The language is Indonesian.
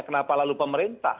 kenapa lalu pemerintah